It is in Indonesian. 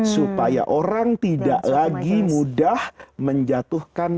supaya orang tidak lagi mudah menjatuhkan